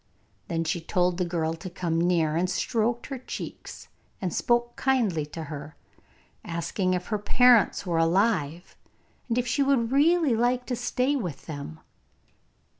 Then she told the girl to come near, and stroked her cheeks and spoke kindly to her, asking if her parents were alive, and if she really would like to stay with them.